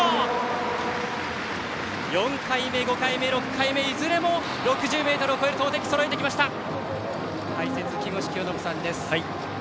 ４回目、５回目、６回目いずれも６０ｍを超える投てきでした。